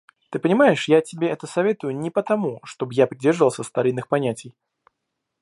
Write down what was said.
Ты понимаешь, я тебе это советую не потому, чтоб я придерживался старинных понятий.